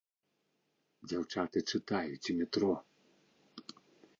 Дзяўчаты чытаюць у метро.